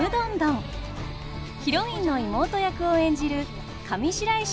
ヒロインの妹役を演じる上白石